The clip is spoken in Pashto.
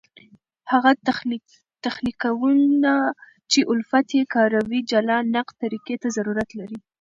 هغه تخنیکونه، چي الفت ئې کاروي جلا نقد طریقي ته ضرورت لري.